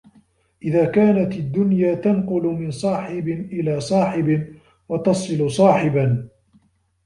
إذْ كَانَتْ الدُّنْيَا تَنْقُلُ مِنْ صَاحِبٍ إلَى صَاحِبٍ ، وَتَصِلُ صَاحِبًا